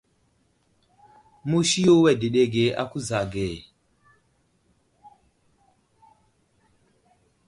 Musi yo adəɗege a kuza age.